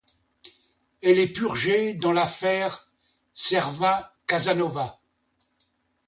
Elle est purgée dans l'affaire Servin-Casanova.